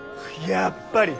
やっぱり！